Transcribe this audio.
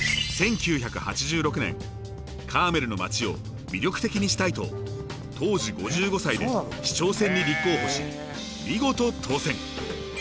１９８６年カーメルの街を魅力的にしたいと当時５５歳で市長選に立候補し見事当選。